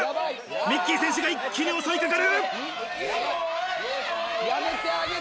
ミッキー選手が一気に襲いかかる！